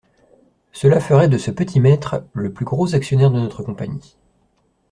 Cela ferait de ce petit maître le plus gros actionnaire de notre Compagnie.